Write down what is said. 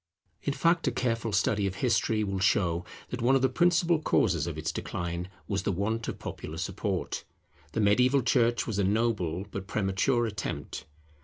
In fact a careful study of history will show that one of the principal causes of its decline was the want of popular support. The mediaeval church was a noble, but premature attempt.